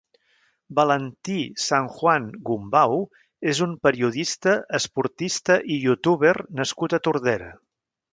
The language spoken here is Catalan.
Valentí Sanjuan Gumbau és un periodista, esportista i youtuber nascut a Tordera.